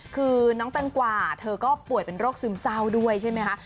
คือน้องแตงกว่าเธอก็ป่วยเป็นโรคซึมเศร้าด้วยใช่ไหมคะ